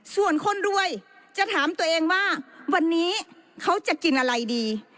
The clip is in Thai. ส่วนคนรวยจะถามตัวเองว่าวันนี้เขาจะกินอะไรดี